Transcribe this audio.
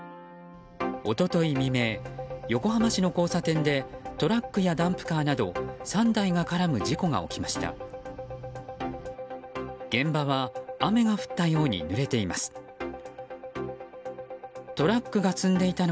一昨日未明、横浜市の交差点でトラックやダンプカーなど３台が絡む事故が起きました。